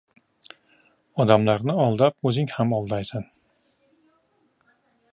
• Odamlarni aldab o‘zingni ham aldaysan.